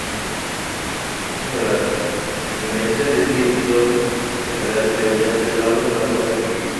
Otros apuntan a la connivencia del director general de Seguridad, Eduardo Blanco Rodríguez.